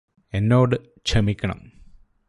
എന്നോട് ക്ഷമിക്കണം